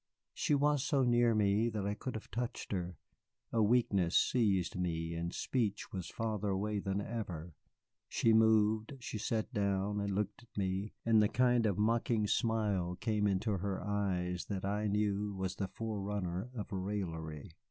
She was so near me that I could have touched her. A weakness seized me, and speech was farther away than ever. She moved, she sat down and looked at me, and the kind of mocking smile came into her eyes that I knew was the forerunner of raillery.